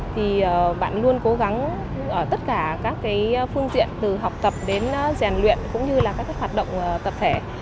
thì bạn luôn cố gắng ở tất cả các phương diện từ học tập đến giàn luyện cũng như là các hoạt động tập thể